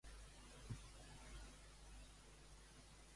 Qui diu un ancià que els havia ajudat?